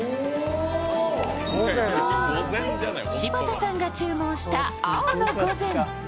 柴田さんが注文した蒼の御膳。